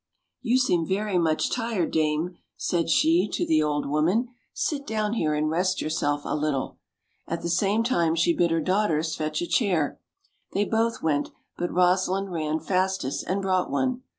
"You seem very 30 OLD, OLD FAIRY TALES, much tired, dame/' said she to the old woman; "sit down here, and rest yourself a little;" at the same time she bid her daughters fetch a chair; they both went, but Rosalind ran fastest, and brought one.